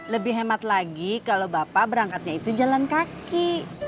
lebih hemat lagi kalau bapak berangkatnya itu jalan kaki